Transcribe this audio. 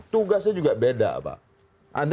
tugasnya juga beda bang